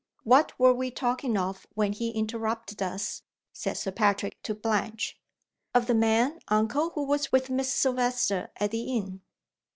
"What were we talking of when he interrupted us?" said Sir Patrick to Blanche. "Of the man, uncle, who was with Miss Silvester at the inn."